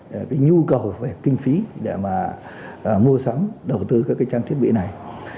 về cái nhu cầu về kinh phí để mà mua sắm đầu tư các cái trang thiết bị này